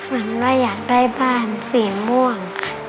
ฝันว่าอยากได้บ้านสีม่วง